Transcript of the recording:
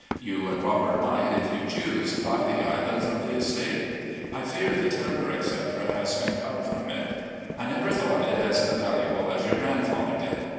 You and Robert might, if you choose, buy the island from the estate. I fear the timber, etc., has been cut from it. I never thought it as valuable as your grandfather did.